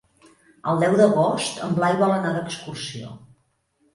El deu d'agost en Blai vol anar d'excursió.